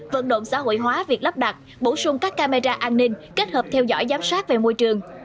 vận động xã hội hóa việc lắp đặt bổ sung các camera an ninh kết hợp theo dõi giám sát về môi trường